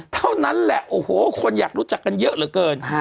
เท่านั้นแหละโอ้โหคนอยากรู้จักกันเยอะเหลือเกิน